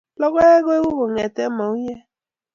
Logoek koeku kongete mauywek.